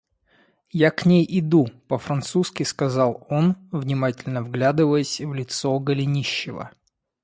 Я к ней иду, — по-французски сказал он, внимательно вглядываясь в лицо Голенищева.